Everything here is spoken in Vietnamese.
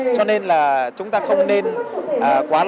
cho nên là chúng ta không nên quá lo lắng